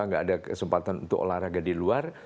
nggak ada kesempatan untuk olahraga di luar